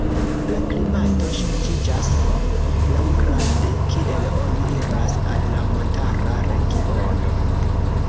La klimato ŝanĝiĝas laŭgrade kiel oni iras al la montara regiono.